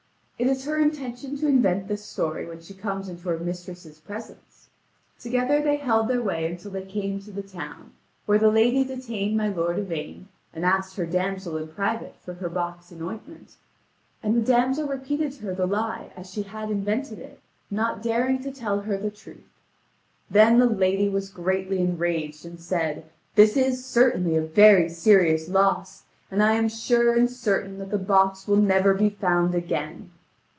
It is her intention to invent this story when she comes into her mistress' presence. Together they held their way until they came to the town, where the lady detained my lord Yvain and asked her damsel in private for her box and ointment: and the damsel repeated to her the lie as she had invented it, not daring to tell her the truth. Then the lady was greatly enraged, and said: "This is certainly a very serious loss, and I am sure and certain that the box will never be found again.